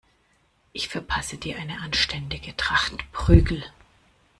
Ich verpasse dir eine anständige Tracht Prügel.